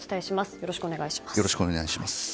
よろしくお願いします。